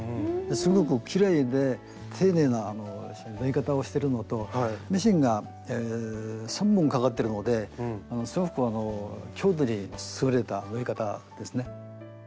すごくきれいで丁寧な縫い方をしてるのとミシンが３本かかってるのですごく強度に優れた縫い方ですね。